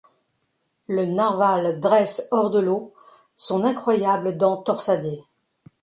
Le narval dresse hors de l'eau son incroyable dent torsadée.